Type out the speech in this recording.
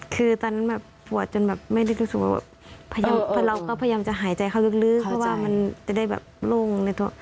คือตอนนั้นแบบปวดจนแบบไม่ได้รู้สึกว่าเราก็พยายามจะหายใจเข้าลึกเพราะว่ามันจะได้แบบโล่งในตัว